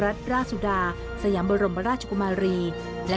ในพระราชกรณียกิจของพระบาทสมเด็จพระปรมินทรมาฮภูมิผลอดุญเดช